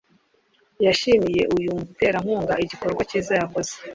yashimiye uyu muterankunga igikorwa cyiza yakoze